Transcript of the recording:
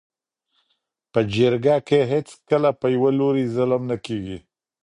. په جرګه کي هیڅکله په یوه لوري ظلم نه کيږي.